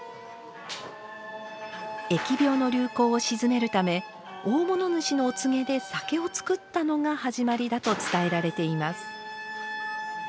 疫病の流行を鎮めるため大物主のお告げで酒を造ったのが始まりだと伝えられています。